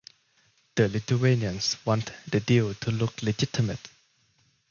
The Lithuanians wanted the deal to look legitimate.